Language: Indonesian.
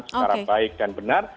secara baik dan benar